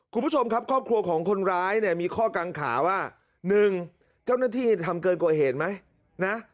คุณผู้ชมครับครอบครัวของคนร้ายเนี่ยมีข้อกังขาว่า๑เจ้าหน้าที่ทำเกินกว่าเหตุไหมนะ